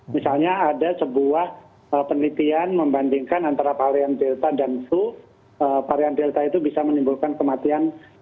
misalnya ada sebuah penelitian membandingkan antara varian delta dan su varian delta itu bisa menimbulkan kematian tiga belas kali